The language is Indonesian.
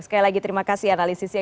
sekali lagi terima kasih analisisnya